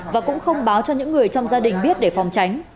và cũng không báo cho những người trong gia đình biết để phòng tránh